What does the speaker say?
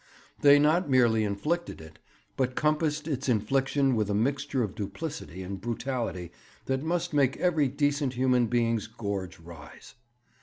They not merely inflicted it, but compassed its infliction with a mixture of duplicity and brutality that must make every decent human being's gorge rise.